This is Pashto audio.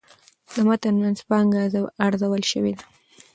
د متن منځپانګه ارزول شوې ده.